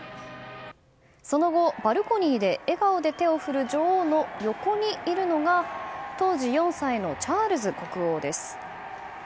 その後、バルコニーで笑顔で手を振る女王の横にいるのが当時４歳のチャールズ国王です。